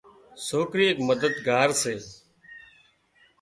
سوڪرِي ايڪ مددگار سي